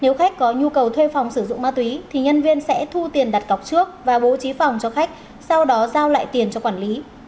nếu khách có nhu cầu thuê phòng sử dụng ma túy thì nhân viên sẽ thu tiền đặt cọc trước và bố trí phòng cho khách sau đó giao lại tiền cho quản lý